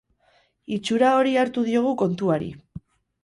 Itxura hori hartu diogu kontuari.